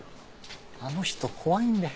あの人怖いんで。